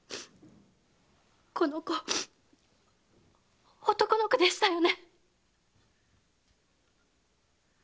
この子男の子でしたよね？